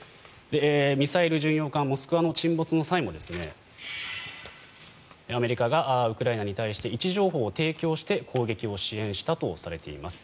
ミサイル巡洋艦「モスクワ」の沈没の際もアメリカがウクライナに対して位置情報を提供して攻撃を支援したとされています。